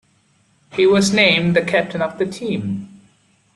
He was named the captain of the team.